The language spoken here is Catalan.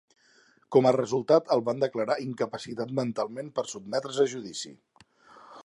Com a resultat, el van declarar incapacitat mentalment per sotmetre's a judici.